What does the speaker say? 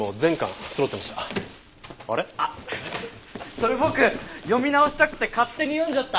それ僕読み直したくて勝手に読んじゃった！